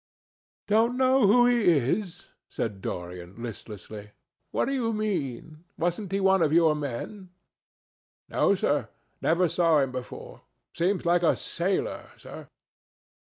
"Don't know who he is?" said Dorian, listlessly. "What do you mean? Wasn't he one of your men?" "No, sir. Never saw him before. Seems like a sailor, sir."